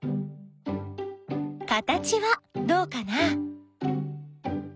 形はどうかな？